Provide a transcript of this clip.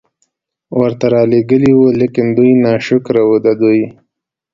ورته را ليږلي وو، ليکن دوی ناشکره وو، د دوی